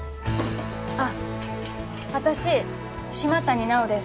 あっ私島谷奈央です。